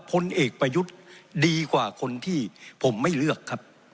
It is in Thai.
พลเอกประยุทธ์ดีกว่าคนที่ผมไม่เลือกครับ